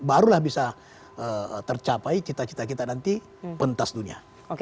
barulah bisa tercapai cita cita kita nanti pentas dunia